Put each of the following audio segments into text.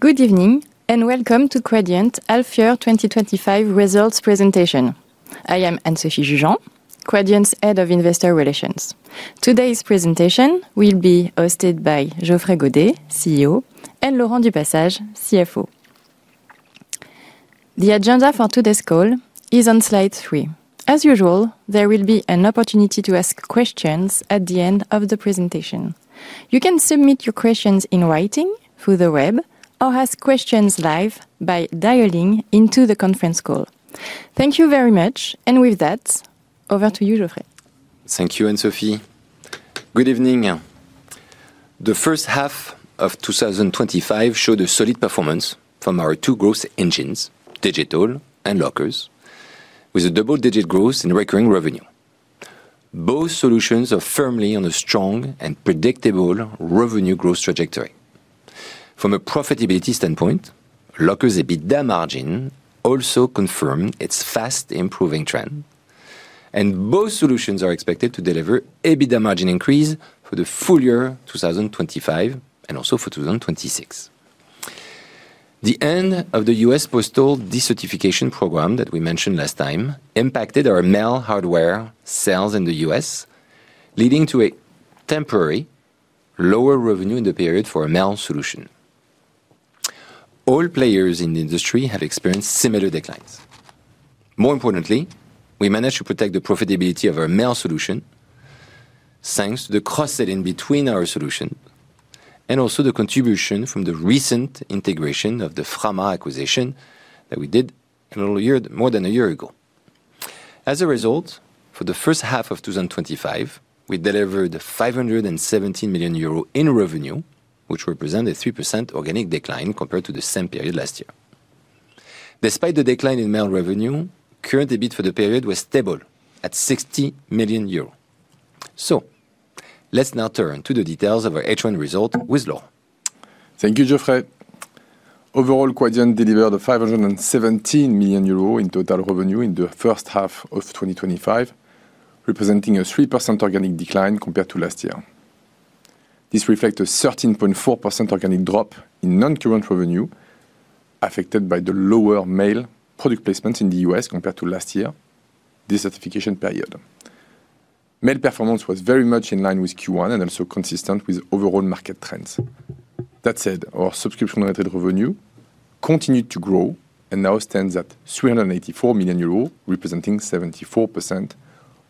Good evening and welcome to Quadient's H1 2025 Results Presentation. I am Anne-Sophie Jugean, Quadient's Head of Investor Relations. Today's presentation will be hosted by Geoffrey Godet, CEO, and Laurent Du Passage, CFO. The agenda for today's call is on slide three. As usual, there will be an opportunity to ask questions at the end of the presentation. You can submit your questions in writing through the web or ask questions live by dialing into the conference call. Thank you very much, and with that, over to you, Geoffrey. Thank you, Anne-Sophie. Good evening. The first half of 2025 showed a solid performance from our two growth engines, Digital and Lockers, with a double-digit growth in recurring revenue. Both solutions are firmly on a strong and predictable revenue growth trajectory. From a profitability standpoint, Lockers' EBITDA margin also confirmed its fast improving trend, and both solutions are expected to deliver EBITDA margin increase for the full year 2025 and also for 2026. The end of the U.S. Postal Decertification program that we mentioned last time impacted our mail hardware sales in the U.S., leading to a temporary lower revenue in the period for our Mail Solutions. All players in the industry have experienced similar declines. More importantly, we managed to protect the profitability of our Mail Solutions thanks to the cross-selling between our solutions and also the contribution from the recent integration of the Frama acquisition that we did more than a year ago. As a result, for the first half of 2025, we delivered €517 million in revenue, which represents a 3% organic decline compared to the same period last year. Despite the decline in mail revenue, the current EBITDA for the period was stable at €60 million. Let's now turn to the details of our H1 result with Laurent. Thank you, Geoffrey. Overall, Quadient delivered €517 million in total revenue in the first half of 2025, representing a 3% organic decline compared to last year. This reflects a 13.4% organic drop in non-current revenue affected by the lower mail product placements in the U.S. compared to last year's US Postal Decertification program period. Mail performance was very much in line with Q1 and also consistent with overall market trends. That said, our subscription-related revenue continued to grow and now stands at €384 million, representing 74%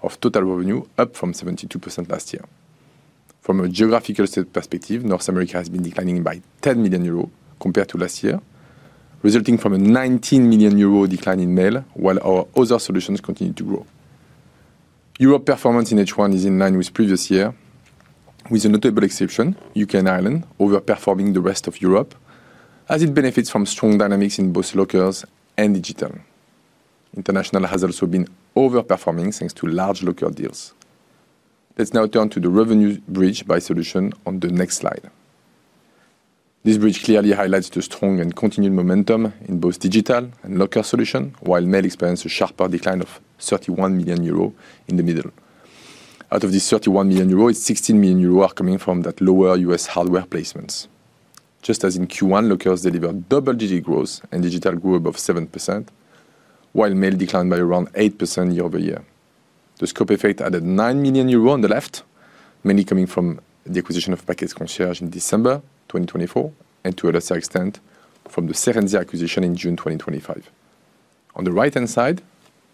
of total revenue, up from 72% last year. From a geographical perspective, North America has been declining by €10 million compared to last year, resulting from a €19 million decline in mail, while our other solutions continue to grow. Europe's performance in H1 is in line with the previous year, with a notable exception, UK and Ireland, overperforming the rest of Europe as it benefits from strong dynamics in both Parcel Lockers and Digital. International has also been overperforming thanks to large Parcel Locker deals. Let's now turn to the revenue bridge by solution on the next slide. This bridge clearly highlights the strong and continued momentum in both Digital and Parcel Locker solutions, while mail experienced a sharper decline of €31 million in the middle. Out of these €31 million, €16 million are coming from that lower U.S. mail hardware placements. Just as in Q1, Parcel Lockers delivered double-digit growth and Digital grew above 7%, while mail declined by around 8% year over year. The scope effect added €9 million on the left, mainly coming from the acquisition of Packet Concierge in December 2024 and to a lesser extent from the Serendia acquisition in June 2025. On the right-hand side,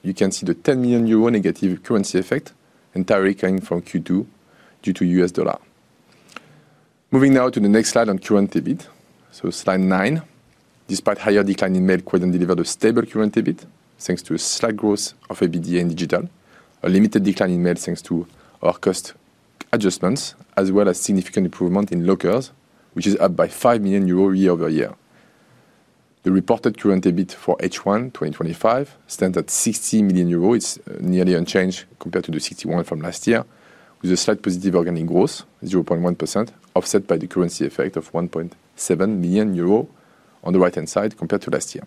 you can see the €10 million negative currency effect entirely coming from Q2 due to U.S. dollars. Moving now to the next slide on current EBITDA, so slide nine. Despite a higher decline in mail, Quadient delivered a stable current EBITDA thanks to a slight growth of EBITDA in Digital, a limited decline in mail thanks to our cost adjustments, as well as a significant improvement in Parcel Lockers, which is up by €5 million year over year. The reported current EBITDA for H1 2025 stands at €60 million. It's nearly unchanged compared to the €61 million from last year, with a slight positive organic growth, 0.1%, offset by the currency effect of €1.7 million on the right-hand side compared to last year.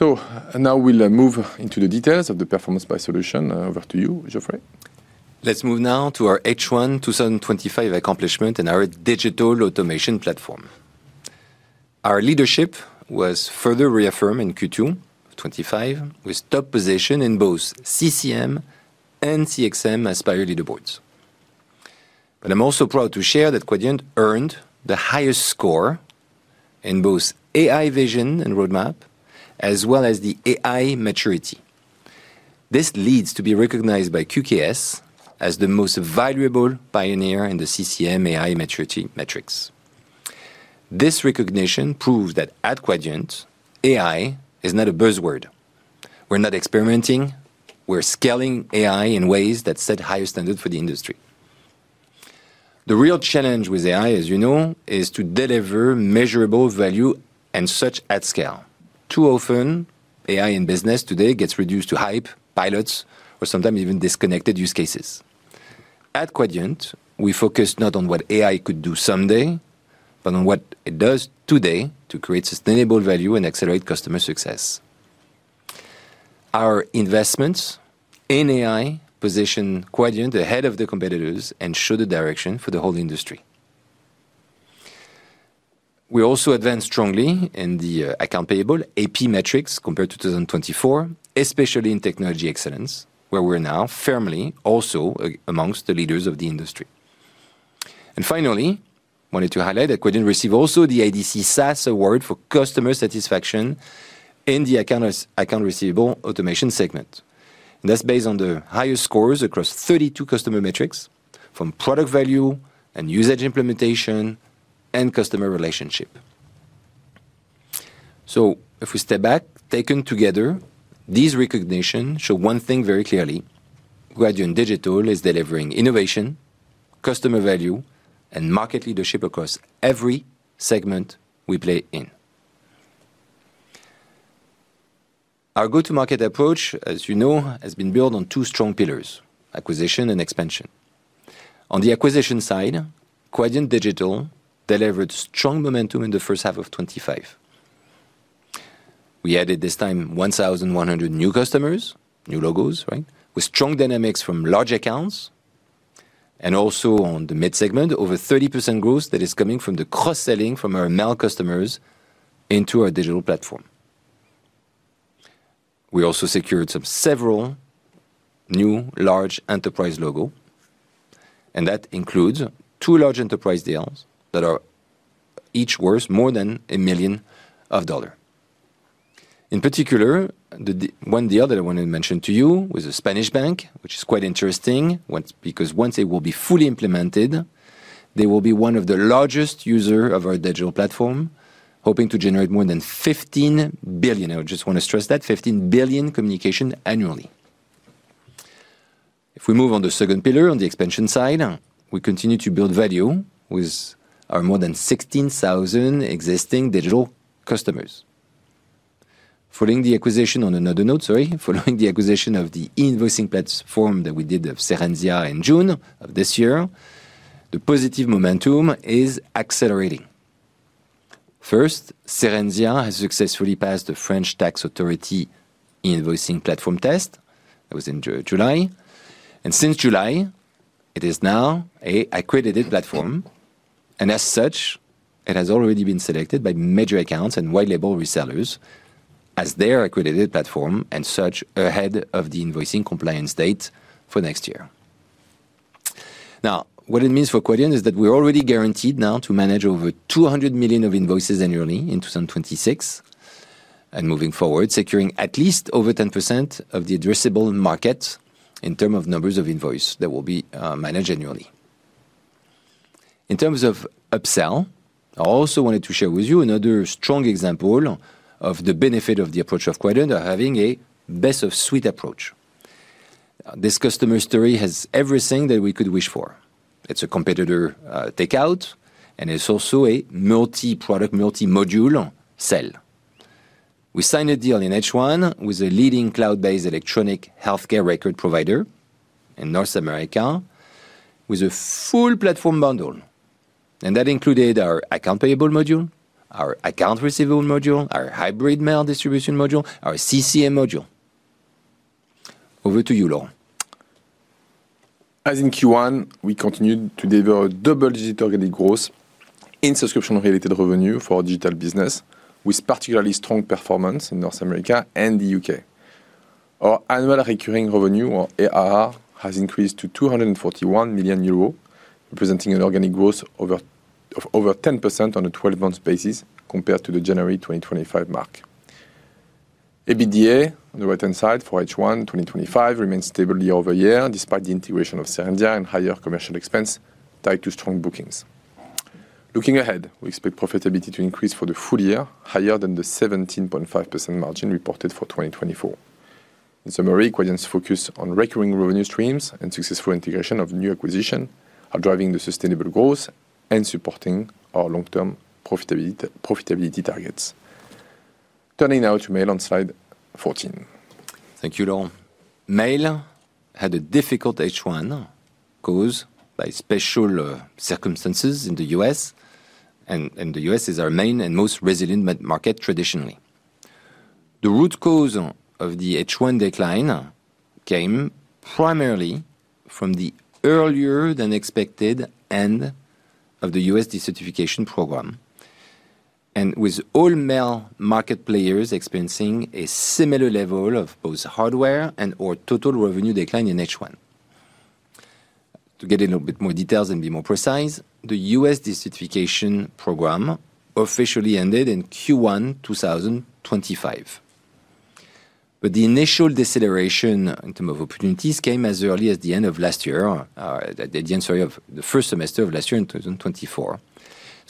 Now we'll move into the details of the performance by solution. Over to you, Geoffrey. Let's move now to our H1 2025 accomplishment in our Digital Automation Platform. Our leadership was further reaffirmed in Q2 2025, with top position in both CCM and CXM Aspire leaderboards. I'm also proud to share that Quadient earned the highest score in both AI Vision and Roadmap, as well as the AI Maturity. This leads to being recognized by QKS as the most valuable pioneer in the CCM AI maturity metrics. This recognition proves that at Quadient, AI is not a buzzword. We're not experimenting. We're scaling AI in ways that set higher standards for the industry. The real challenge with AI, as you know, is to deliver measurable value and such at scale. Too often, AI in business today gets reduced to hype, pilots, or sometimes even disconnected use cases. At Quadient, we focus not on what AI could do someday, but on what it does today to create sustainable value and accelerate customer success. Our investments in AI position Quadient ahead of the competitors and show the direction for the whole industry. We also advanced strongly in the account payable AP metrics compared to 2024, especially in technology excellence, where we're now firmly also amongst the leaders of the industry. I wanted to highlight that Quadient received also the IDC SaaS Award for customer satisfaction in the account receivable automation segment. That's based on the highest scores across 32 customer metrics from product value and usage, implementation, and customer relationship. If we step back, taken together, these recognitions show one thing very clearly: Quadient Digital is delivering innovation, customer value, and market leadership across every segment we play in. Our go-to-market approach, as you know, has been built on two strong pillars: acquisition and expansion. On the acquisition side, Quadient Digital delivered strong momentum in the first half of 2025. We added this time 1,100 new customers, new logos, right, with strong dynamics from large accounts. Also on the mid-segment, over 30% growth is coming from the cross-selling from our mail customers into our digital platform. We also secured several new large enterprise logos, and that includes two large enterprise deals that are each worth more than $1 million. In particular, the one deal that I want to mention to you was a Spanish bank, which is quite interesting because once it will be fully implemented, they will be one of the largest users of our digital platform, hoping to generate more than 15 billion. I just want to stress that: 15 billion communications annually. If we move on to the second pillar on the expansion side, we continue to build value with our more than 16,000 existing digital customers. Following the acquisition of the e-invoicing platform that we did of Serendia in June of this year, the positive momentum is accelerating. First, Serendia has successfully passed the French tax authority e-invoicing platform test. That was in July. Since July, it is now an accredited platform. As such, it has already been selected by major accounts and white-label resellers as their accredited platform, ahead of the invoicing compliance date for next year. What it means for Quadient is that we're already guaranteed now to manage over 200 million invoices annually in 2026. Moving forward, securing at least over 10% of the addressable market in terms of numbers of invoices that will be managed annually. In terms of upsell, I also wanted to share with you another strong example of the benefit of the approach of Quadient, having a best-of-suite approach. This customer story has everything that we could wish for. It's a competitor takeout, and it's also a multi-product, multi-module sell. We signed a deal in H1 with a leading cloud-based electronic healthcare record provider in North America with a full platform bundle. That included our account payable module, our account receivable module, our hybrid mail distribution module, our CCM module. Over to you, Laurent. As in Q1, we continued to deliver double-digit organic growth in subscription-related revenue for our digital business, with particularly strong performance in North America and the UK. Our annual recurring revenue, or ARR, has increased to €241 million, representing an organic growth of over 10% on a 12-month basis compared to the January 2025 mark. EBITDA on the right-hand side for H1 2025 remains stable year over year, despite the integration of Serendia and higher commercial expense tied to strong bookings. Looking ahead, we expect profitability to increase for the full year, higher than the 17.5% margin reported for 2024. In summary, Quadient's focus on recurring revenue streams and successful integration of new acquisitions are driving the sustainable growth and supporting our long-term profitability targets. Turning now to mail on slide 14. Thank you, Laurent. Mail had a difficult H1 caused by special circumstances in the U.S., and the U.S. is our main and most resilient market traditionally. The root cause of the H1 decline came primarily from the earlier-than-expected end of the U.S. Postal Decertification program, with all mail market players experiencing a similar level of both hardware and/or total revenue decline in H1. To get a little bit more details and be more precise, the U.S. Postal Decertification program officially ended in Q1 2025. The initial deceleration in terms of opportunities came as early as the end of last year, the end of the first semester of last year in 2024.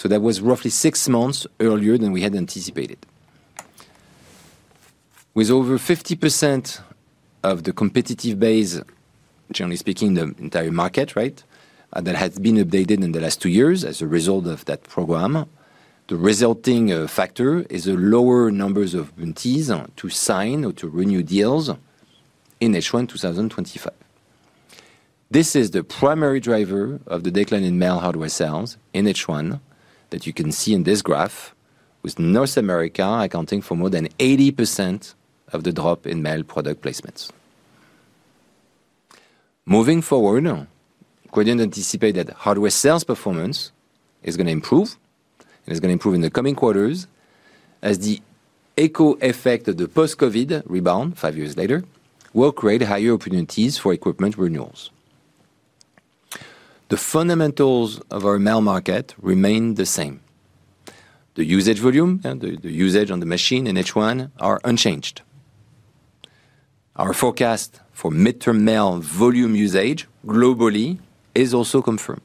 That was roughly six months earlier than we had anticipated. With over 50% of the competitive base, generally speaking, the entire market that has been updated in the last two years as a result of that program, the resulting factor is a lower number of mentees to sign or to renew deals in H1 2025. This is the primary driver of the decline in mail hardware sales in H1 that you can see in this graph, with North America accounting for more than 80% of the drop in mail product placements. Moving forward, Quadient anticipated that hardware sales performance is going to improve, and it's going to improve in the coming quarters as the echo effect of the post-COVID rebound five years later will create higher opportunities for equipment renewals. The fundamentals of our mail market remain the same. The usage volume, the usage on the machine in H1, are unchanged. Our forecast for mid-term mail volume usage globally is also confirmed.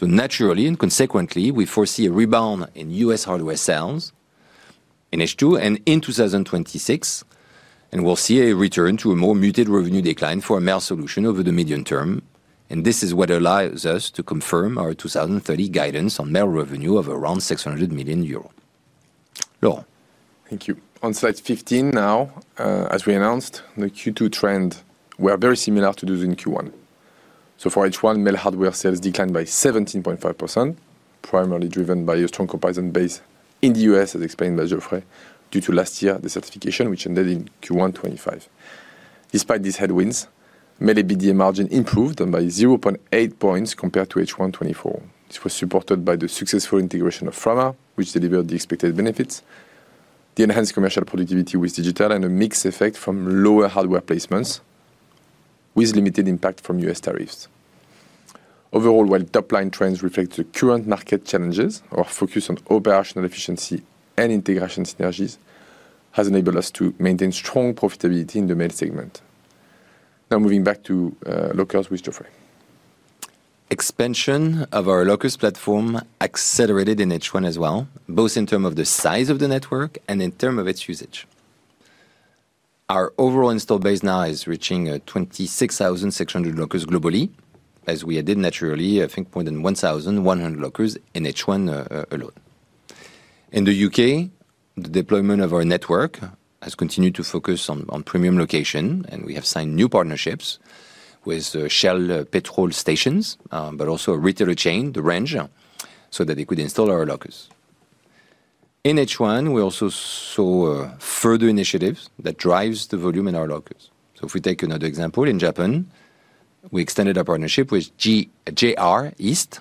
Naturally and consequently, we foresee a rebound in U.S. hardware sales in H2 and in 2026, and we'll see a return to a more muted revenue decline for a mail solution over the medium term. This is what allows us to confirm our 2030 guidance on mail revenue of around €600 million. Laurent. Thank you. On slide 15 now, as we announced, the Q2 trends were very similar to those in Q1. For H1, mail hardware sales declined by 17.5%, primarily driven by a strong comparison base in the U.S., as explained by Geoffrey, due to last year's decertification, which ended in Q1 2025. Despite these headwinds, mail EBITDA margin improved by 0.8 points compared to H1 2024. This was supported by the successful integration of Frama, which delivered the expected benefits, the enhanced commercial productivity with Digital, and a mixed effect from lower hardware placements with limited impact from U.S. tariffs. Overall, while top-line trends reflect the current market challenges, our focus on operational efficiency and integration synergies has enabled us to maintain strong profitability in the mail segment. Now moving back to Lockers with Geoffrey. Expansion of our Parcel Lockers platform accelerated in H1 as well, both in terms of the size of the network and in terms of its usage. Our overall installed base now is reaching 26,600 Parcel Lockers globally, as we added, naturally, I think, more than 1,100 Parcel Lockers in H1 alone. In the UK, the deployment of our network has continued to focus on premium locations, and we have signed new partnerships with Shell petrol stations, but also a retailer chain, The Range, so that they could install our Parcel Lockers. In H1, we also saw further initiatives that drive the volume in our Parcel Lockers. If we take another example, in Japan, we extended our partnership with JR East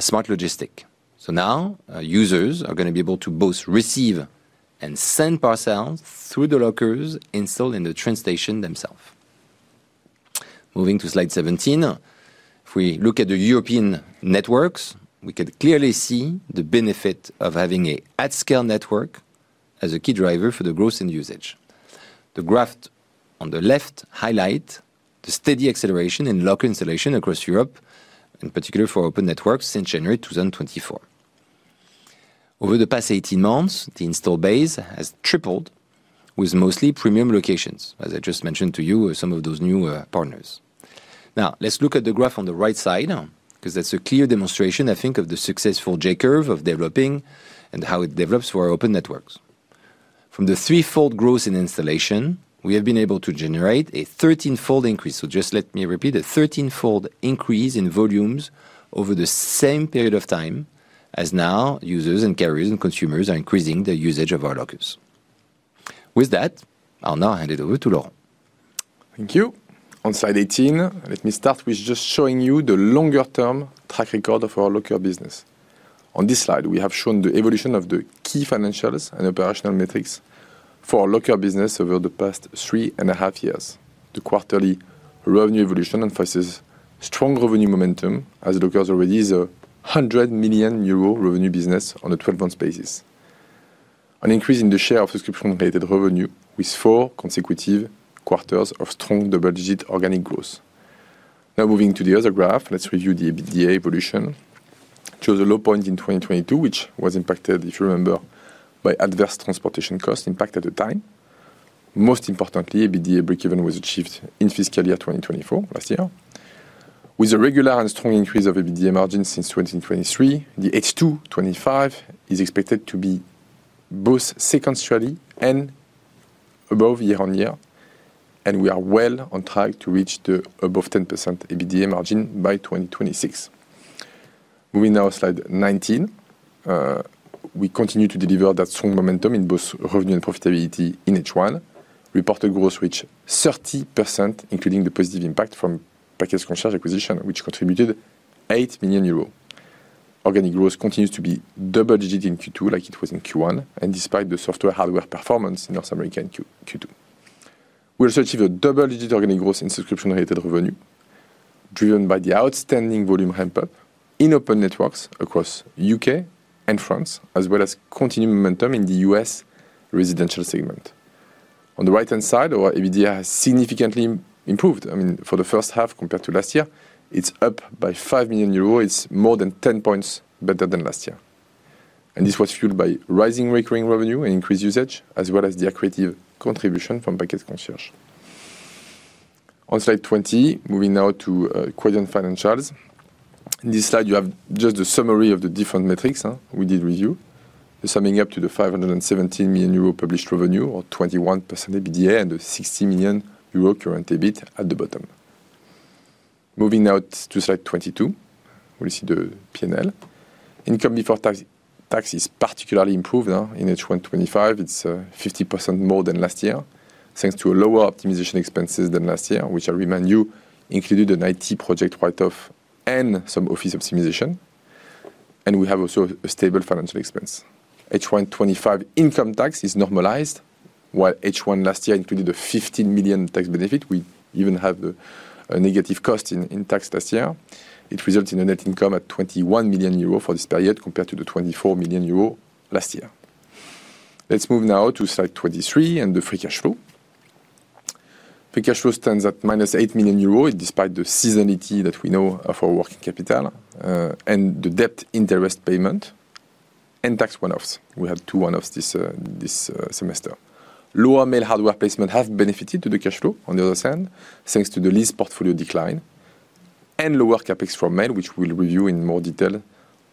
Smart Logistics. Now users are going to be able to both receive and send parcels through the Parcel Lockers installed in the train stations themselves. Moving to slide 17, if we look at the European networks, we can clearly see the benefit of having an at-scale network as a key driver for the growth in usage. The graph on the left highlights the steady acceleration in Parcel Locker installation across Europe, in particular for open networks, since January 2024. Over the past 18 months, the installed base has tripled, with mostly premium locations, as I just mentioned to you, with some of those new partners. Now, let's look at the graph on the right side, because that's a clear demonstration, I think, of the successful J-curve of developing and how it develops for open networks. From the threefold growth in installation, we have been able to generate a 13-fold increase. Just let me repeat, a 13-fold increase in volumes over the same period of time, as now users and carriers and consumers are increasing the usage of our Parcel Lockers. With that, I'll now hand it over to Laurent. Thank you. On slide 18, let me start with just showing you the longer-term track record of our Locker business. On this slide, we have shown the evolution of the key financials and operational metrics for our Locker business over the past three and a half years. The quarterly revenue evolution emphasizes strong revenue momentum, as Lockers already is a €100 million revenue business on a 12-month basis. An increase in the share of subscription-related revenue with four consecutive quarters of strong double-digit organic growth. Now moving to the other graph, let's review the EBITDA evolution. It shows a low point in 2022, which was impacted, if you remember, by adverse transportation costs impacted at the time. Most importantly, EBITDA breakeven was achieved in fiscal year 2024, last year. With a regular and strong increase of EBITDA margins since 2023, the H2 2025 is expected to be both sequentially and above year on year, and we are well on track to reach the above 10% EBITDA margin by 2026. Moving now to slide 19, we continue to deliver that strong momentum in both revenue and profitability in H1. Reported growth reached 30%, including the positive impact from Packet Concierge acquisition, which contributed €8 million. Organic growth continues to be double-digit in Q2, like it was in Q1, and despite the software hardware performance in North America in Q2. We also achieved a double-digit organic growth in subscription-related revenue, driven by the outstanding volume ramp-up in open networks across the UK and France, as well as continued momentum in the U.S. residential segment. On the right-hand side, our EBITDA has significantly improved. I mean, for the first half compared to last year, it's up by €5 million. It's more than 10 points better than last year. This was fueled by rising recurring revenue and increased usage, as well as the accretive contribution from Packet Concierge. On slide 20, moving now to Quadient financials. In this slide, you have just the summary of the different metrics we did review, summing up to the €517 million published revenue, or 21% EBITDA, and the €60 million current EBITDA at the bottom. Moving now to slide 22, we see the P&L. Income before tax is particularly improved in H1 2025. It's 50% more than last year, thanks to a lower optimization expense than last year, which I'll remind you included an IT project write-off and some office optimization. We have also a stable financial expense. H1 2025 income tax is normalized, while H1 last year included a €15 million tax benefit. We even had a negative cost in tax last year. It results in a net income of €21 million for this period compared to the €24 million last year. Let's move now to slide 23 and the free cash flow. Free cash flow stands at minus €8 million, despite the seasonality that we know of our working capital, and the debt interest payment and tax one-offs. We had two one-offs this semester. Lower mail hardware placements have benefited the cash flow on the other hand, thanks to the lease portfolio decline and lower CapEx for mail, which we'll review in more detail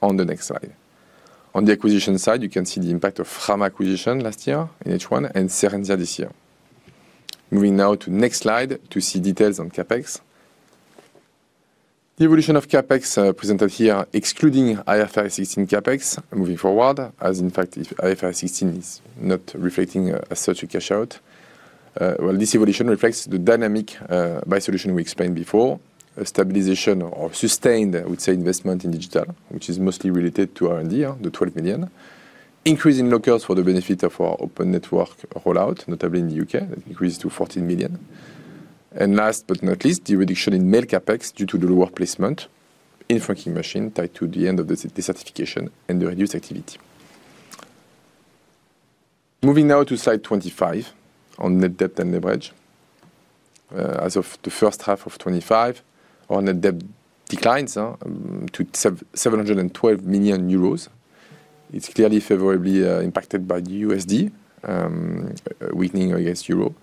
on the next slide. On the acquisition side, you can see the impact of Frama acquisition last year in H1 and Serendia this year. Moving now to the next slide to see details on CapEx. The evolution of CapEx presented here, excluding IFRS 16 CapEx, moving forward, as in fact, IFRS 16 is not reflecting a social cash out. This evolution reflects the dynamic by solution we explained before, a stabilization or sustained, I would say, investment in digital, which is mostly related to R&D, the €12 million. Increase in Lockers for the benefit of our open network rollout, notably in the UK, that increased to €14 million. Last but not least, the reduction in mail CapEx due to the lower placement in the franking machine tied to the end of the decertification and the reduced activity. Moving now to slide 25 on net debt and leverage. As of the first half of 2025, our net debt declines to €712 million. It's clearly favorably impacted by the USD, weakening against euro.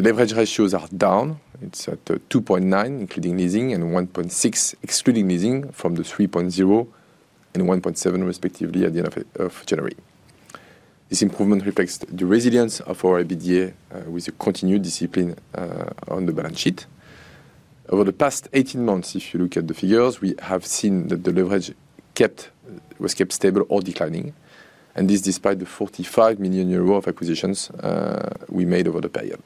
Leverage ratios are down. It's at 2.9, including leasing, and 1.6, excluding leasing, from the 3.0 and 1.7, respectively, at the end of January. This improvement reflects the resilience of our EBITDA with a continued discipline on the balance sheet. Over the past 18 months, if you look at the figures, we have seen that the leverage was kept stable or declining, and this despite the €45 million of acquisitions we made over the period.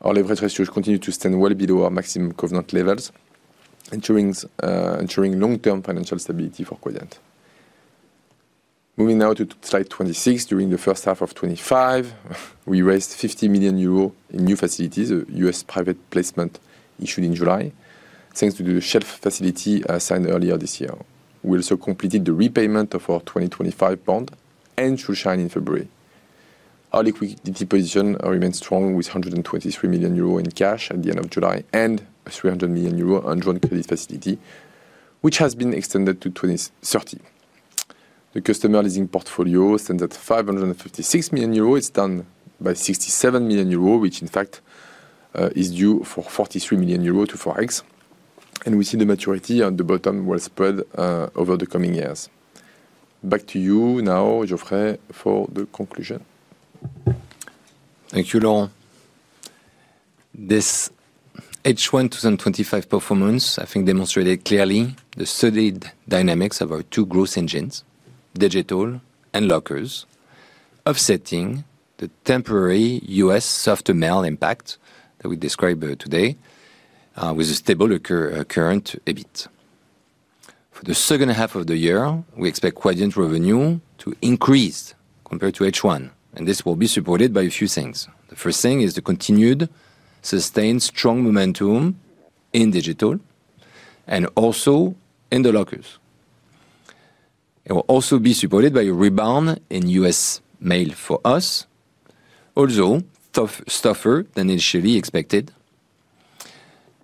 Our leverage ratios continue to stand well below our maximum covenant levels, ensuring long-term financial stability for Quadient. Moving now to slide 26. During the first half of 2025, we raised €50 million in new facilities, a U.S. private placement issued in July, thanks to the shelf facility signed earlier this year. We also completed the repayment of our 2025 bond and should sign in February. Our liquidity position remains strong with €123 million in cash at the end of July and a €300 million undrawn credit facility, which has been extended to 2030. The customer leasing portfolio stands at €556 million. It's down by €67 million, which in fact is due for €43 million to forex. We see the maturity on the bottom well spread over the coming years. Back to you now, Geoffrey, for the conclusion. Thank you, Laurent. This H1 2025 performance, I think, demonstrated clearly the solid dynamics of our two growth engines, Digital and Lockers, offsetting the temporary U.S. soft mail impact that we described today with a stable current EBITDA. For the second half of the year, we expect Quadient revenue to increase compared to H1, and this will be supported by a few things. The first thing is the continued sustained strong momentum in Digital and also in the Lockers. It will also be supported by a rebound in U.S. mail for us, although tougher than initially expected.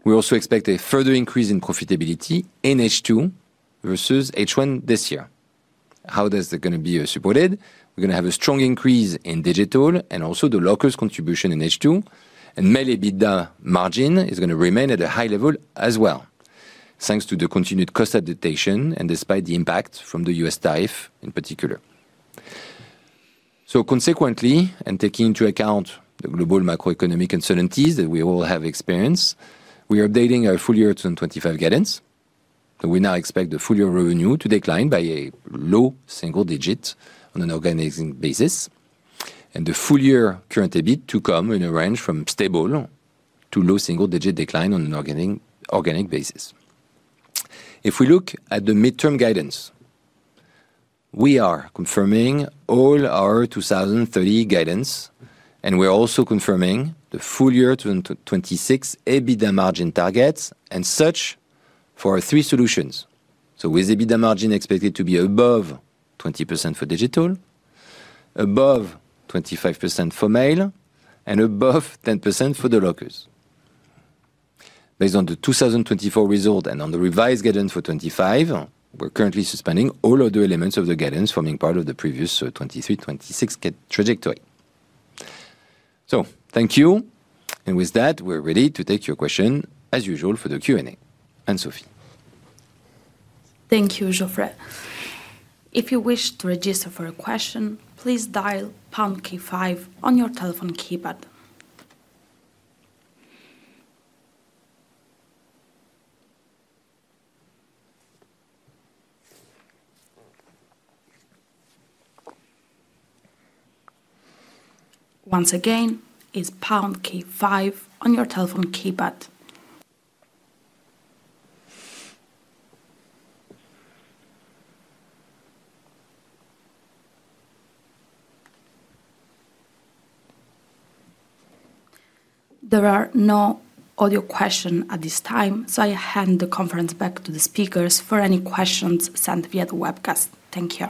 We also expect a further increase in profitability in H2 versus H1 this year. How is that going to be supported? We're going to have a strong increase in Digital and also the Lockers' contribution in H2, and mail EBITDA margin is going to remain at a high level as well, thanks to the continued cost adaptation and despite the impact from the U.S. tariff in particular. Consequently, and taking into account the global macroeconomic uncertainties that we all have experienced, we're updating our full year 2025 guidance. We now expect the full year revenue to decline by a low single digit on an organic basis, and the full year current EBITDA to come in a range from stable to low single digit decline on an organic basis. If we look at the mid-term guidance, we are confirming all our 2030 guidance, and we're also confirming the full year 2026 EBITDA margin targets and such for our three solutions, with EBITDA margin expected to be above 20% for Digital, above 25% for mail, and above 10% for the Lockers. Based on the 2024 result and on the revised guidance for 2025, we're currently suspending all other elements of the guidance forming part of the previous 2023-2026 trajectory. Thank you. With that, we're ready to take your question, as usual, for the Q&A. Anne-Sophie. Thank you, Geoffrey. If you wish to register for a question, please dial pound K5 on your telephone keypad once again. It's pound K5 on your telephone keypad. There are no audio questions at this time, so I hand the conference back to the speakers for any questions sent via the webcast. Thank you.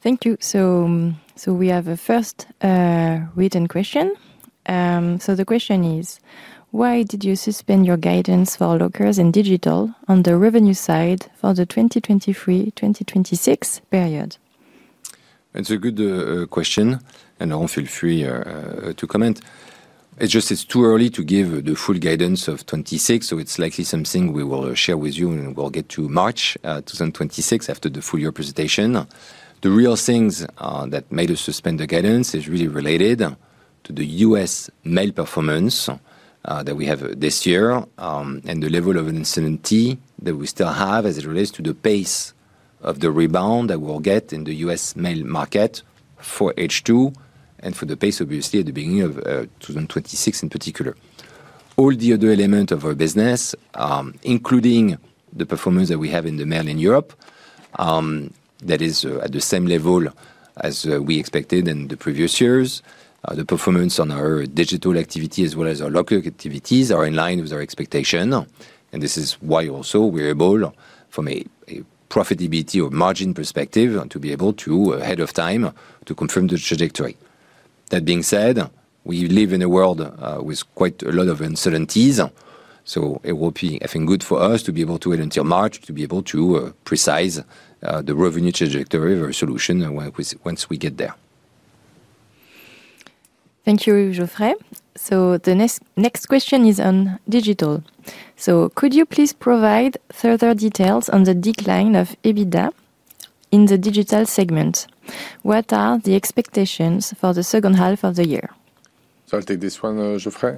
Thank you. We have a first written question. The question is, why did you suspend your guidance for Parcel Lockers and Digital Automation Platform on the revenue side for the 2023-2026 period? That's a good question. Laurent, feel free to comment. It's just it's too early to give the full guidance of 2026, so it's likely something we will share with you when we get to March 2026 after the full year presentation. The real things that made us suspend the guidance are really related to the U.S. mail performance that we have this year and the level of uncertainty that we still have as it relates to the pace of the rebound that we'll get in the U.S. mail market for H2 and for the pace, obviously, at the beginning of 2026 in particular. All the other elements of our business, including the performance that we have in the mail in Europe, that is at the same level as we expected in the previous years, the performance on our digital activity, as well as our Locker activities, is in line with our expectation. This is why we're able, from a profitability or margin perspective, to be able to ahead of time confirm the trajectory. That being said, we live in a world with quite a lot of uncertainties. It will be, I think, good for us to be able to wait until March to be able to precise the revenue trajectory of our solution once we get there. Thank you, Geoffrey. The next question is on Digital. Could you please provide further details on the decline of EBITDA in the digital segment? What are the expectations for the second half of the year? I'll take this one, Geoffrey.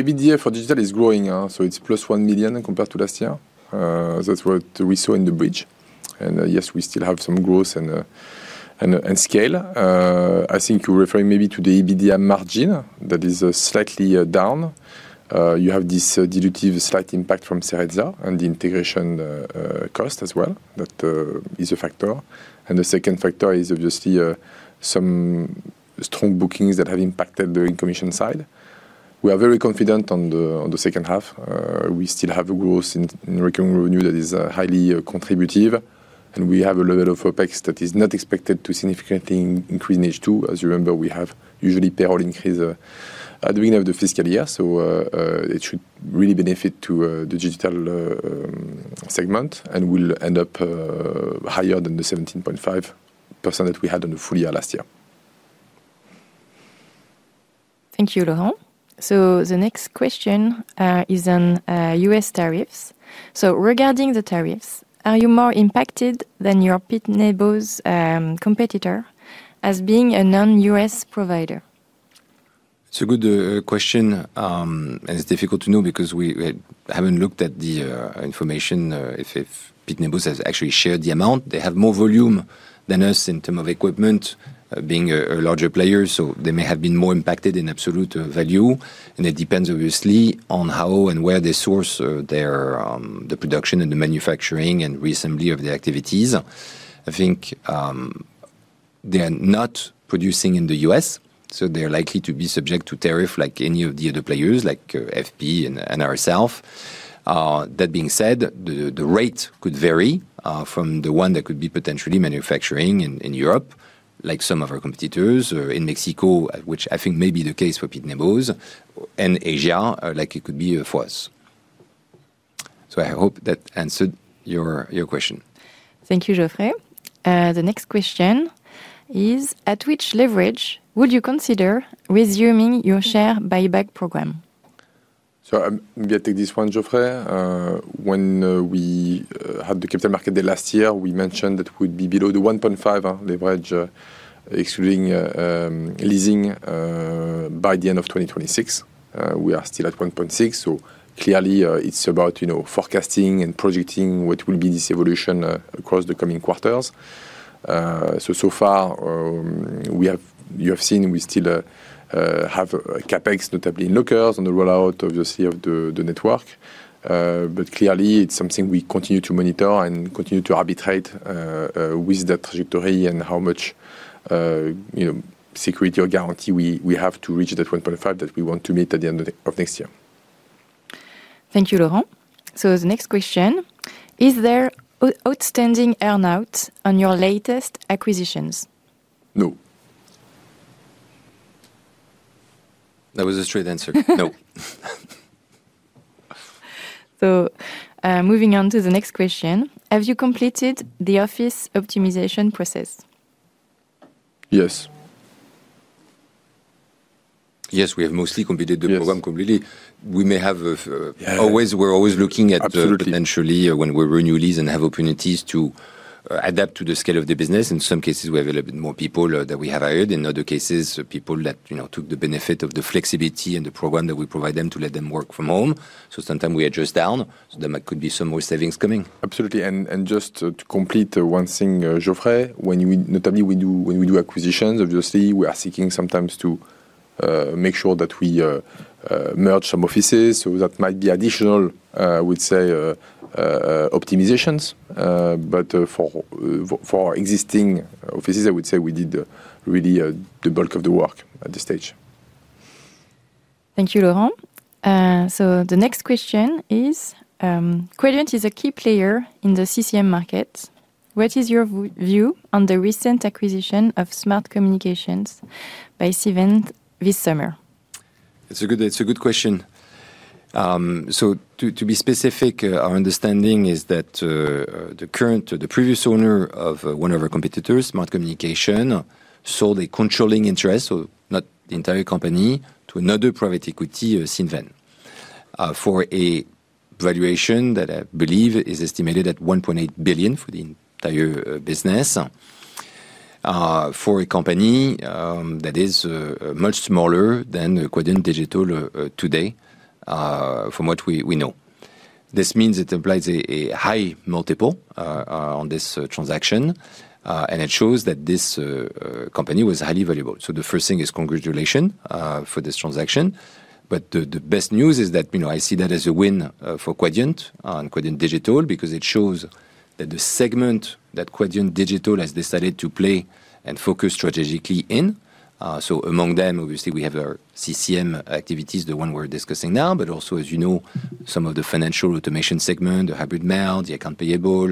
EBITDA for digital is growing. It's plus $1 million compared to last year. That's what we saw in the bridge. Yes, we still have some growth and scale. I think you're referring maybe to the EBITDA margin that is slightly down. You have this dilutive slight impact from Serendia and the integration cost as well. That is a factor. The second factor is obviously some strong bookings that have impacted the income mission side. We are very confident on the second half. We still have growth in revenue that is highly contributive. We have a level of OpEx that is not expected to significantly increase in H2. As you remember, we have usually payroll increases at the beginning of the fiscal year. It should really benefit the digital segment and will end up higher than the 17.5% that we had in the full year last year. Thank you, Laurent. The next question is on U.S. tariffs. Regarding the tariffs, are you more impacted than your Pitney Bowes competitor as being a non-U.S. provider? It's a good question. It's difficult to know because we haven't looked at the information if Pitney Bowes have actually shared the amount. They have more volume than us in terms of equipment, being a larger player. They may have been more impacted in absolute value. It depends, obviously, on how and where they source their production and the manufacturing and reassembly of their activities. I think they are not producing in the U.S., so they're likely to be subject to tariffs like any of the other players, like FP and ourselves. That being said, the rate could vary from the one that could be potentially manufacturing in Europe, like some of our competitors, in Mexico, which I think may be the case for Pitney Bowes, and Asia, like it could be for us. I hope that answered your question. Thank you, Geoffrey. The next question is, at which leverage would you consider resuming your share buyback program? I'm going to take this one, Geoffrey. When we had the capital market day last year, we mentioned that we'd be below the 1.5 leverage, excluding leasing, by the end of 2026. We are still at 1.6. It's about forecasting and projecting what will be this evolution across the coming quarters. So far, you have seen we still have CapEx, notably in Lockers, on the rollout of the network. It's something we continue to monitor and continue to arbitrate with that trajectory and how much security or guarantee we have to reach that 1.5 that we want to meet at the end of next year. Thank you, Laurent. The next question, is there outstanding earnout on your latest acquisitions? No. That was a straight answer. No. Moving on to the next question, have you completed the office optimization process? Yes. Yes, we have mostly completed the program completely. We may have always, we're always looking at potentially when we renew lease and have opportunities to adapt to the scale of the business. In some cases, we have a little bit more people that we have hired. In other cases, people that took the benefit of the flexibility and the program that we provide them to let them work from home. Sometimes we adjust down. There could be some more savings coming. Absolutely. Just to complete one thing, Geoffrey, when we do acquisitions, obviously, we are seeking sometimes to make sure that we merge some offices. That might be additional, I would say, optimizations. For our existing offices, I would say we did really the bulk of the work at this stage. Thank you, Laurent. The next question is, Quadient is a key player in the CCM market. What is your view on the recent acquisition of Smart Communications by Siemens this summer? It's a good question. To be specific, our understanding is that the previous owner of one of our competitors, Smart Communications, sold a controlling interest, not the entire company, to another private equity, Siemens, for a valuation that I believe is estimated at $1.8 billion for the entire business for a company that is much smaller than Quadient Digital today, from what we know. This means it applies a high multiple on this transaction, and it shows that this company was highly valuable. The first thing is congratulations for this transaction. The best news is that I see that as a win for Quadient and Quadient Digital because it shows that the segment that Quadient Digital has decided to play and focus strategically in is strong. Among them, obviously, we have our CCM activities, the one we're discussing now, but also, as you know, some of the financial automation segment, the hybrid mail, the account payable,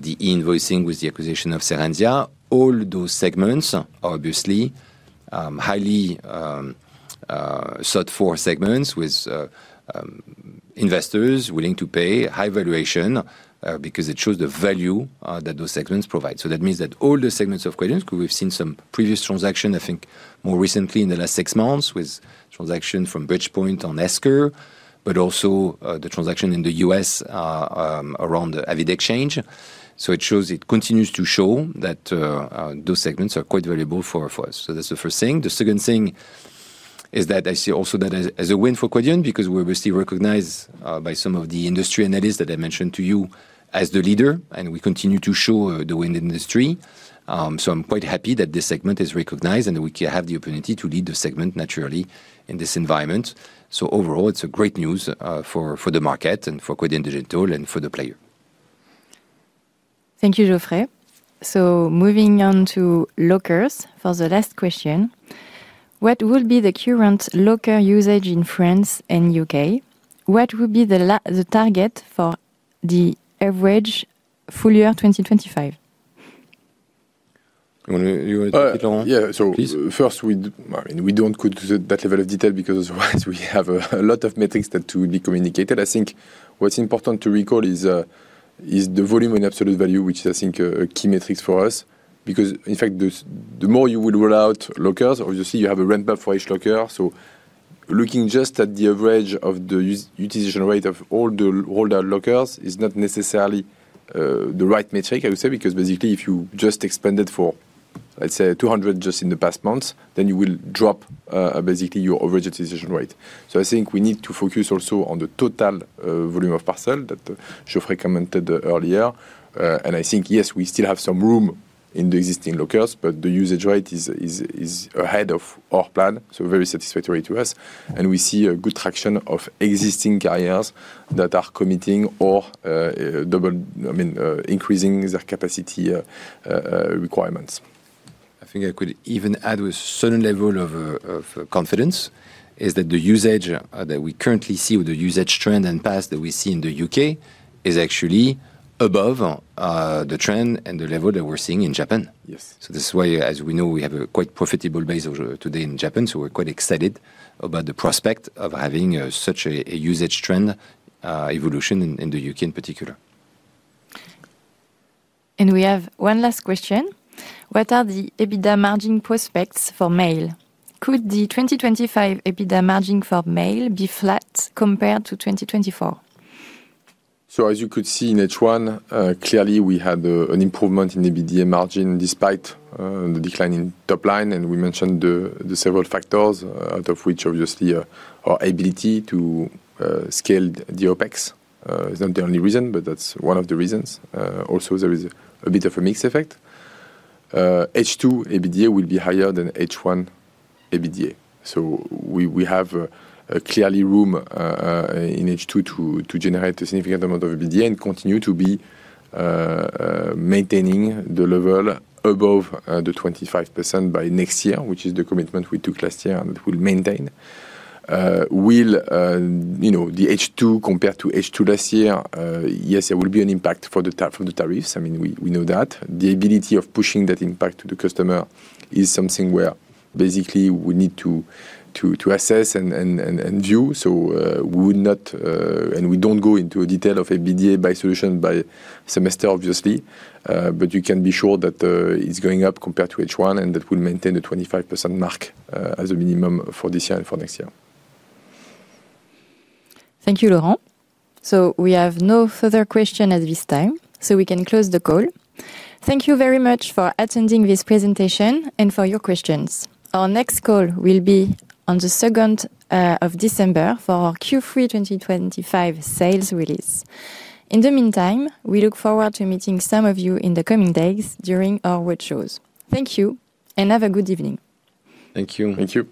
the e-invoicing with the acquisition of Serendia. All those segments are obviously highly sought-for segments with investors willing to pay high valuation because it shows the value that those segments provide. That means that all the segments of Quadient, we've seen some previous transactions, I think more recently in the last six months, with transactions from Bridgepoint on Esker, and also the transaction in the U.S. around Avid Exchange. It continues to show that those segments are quite valuable for us. That's the first thing. The second thing is that I see also that as a win for Quadient because we're obviously recognized by some of the industry analysts that I mentioned to you as the leader, and we continue to show the win in the industry. I'm quite happy that this segment is recognized and that we can have the opportunity to lead the segment naturally in this environment. Overall, it's great news for the market and for Quadient Digital and for the player. Thank you, Geoffrey. Moving on to Lockers for the last question, what will be the current Locker usage in France and the UK? What will be the target for the average full year 2025? Yeah, so first, we don't go to that level of detail because we have a lot of metrics that will be communicated. I think what's important to recall is the volume and absolute value, which is, I think, a key metric for us. Because, in fact, the more you will roll out Parcel Lockers, obviously, you have a ramp-up for each Locker. Looking just at the average of the utilization rate of all the rolled-out Lockers is not necessarily the right metric, I would say, because basically, if you just expand it for, let's say, 200 just in the past months, you will drop basically your average utilization rate. I think we need to focus also on the total volume of parcels that Geoffrey Godet commented earlier. I think, yes, we still have some room in the existing Lockers, but the usage rate is ahead of our plan, so very satisfactory to us. We see a good traction of existing carriers that are committing or double, I mean, increasing their capacity requirements. I think I could even add with a certain level of confidence that the usage that we currently see or the usage trend and path that we see in the UK is actually above the trend and the level that we're seeing in Japan. Yes. This is why, as we know, we have a quite profitable base today in Japan. We're quite excited about the prospect of having such a usage trend evolution in the UK in particular. We have one last question. What are the EBITDA margin prospects for mail? Could the 2025 EBITDA margin for mail be flat compared to 2024? As you could see in H1, clearly we had an improvement in EBITDA margin despite the decline in top line. We mentioned the several factors, out of which obviously our ability to scale the OpEx is not the only reason, but that's one of the reasons. Also, there is a bit of a mixed effect. H2 EBITDA will be higher than H1 EBITDA. We have clearly room in H2 to generate a significant amount of EBITDA and continue to be maintaining the level above the 25% by next year, which is the commitment we took last year and that we'll maintain. Will the H2 compare to H2 last year? Yes, there will be an impact from the tariffs. I mean, we know that. The ability of pushing that impact to the customer is something where basically we need to assess and view. We would not, and we don't go into a detail of EBITDA by solution by semester, obviously. You can be sure that it's going up compared to H1, and that will maintain the 25% mark as a minimum for this year and for next year. Thank you, Laurent. We have no further questions at this time, so we can close the call. Thank you very much for attending this presentation and for your questions. Our next call will be on December 2 for our Q3 2025 sales release. In the meantime, we look forward to meeting some of you in the coming days during our workshops. Thank you, and have a good evening. Thank you. Thank you.